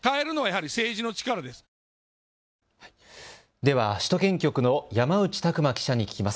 では首都圏局の山内拓磨記者に聞きます。